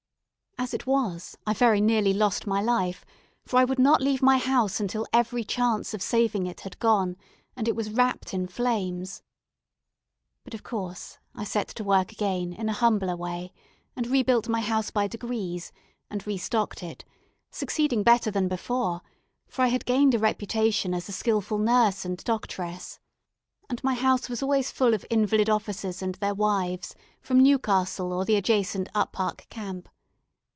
As it was, I very nearly lost my life, for I would not leave my house until every chance of saving it had gone, and it was wrapped in flames. But, of course, I set to work again in a humbler way, and rebuilt my house by degrees, and restocked it, succeeding better than before; for I had gained a reputation as a skilful nurse and doctress, and my house was always full of invalid officers and their wives from Newcastle, or the adjacent Up Park Camp.